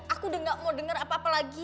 aku udah gak mau dengar apa apa lagi